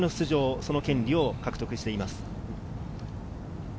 その権利を獲得しています。